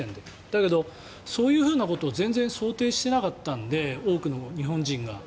だけど、そういうふうなことを全然想定してなかったので多くの日本人が。